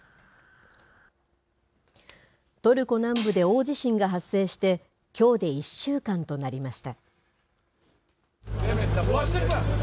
トルコ南部で大地震が発生してきょうで１週間となりました。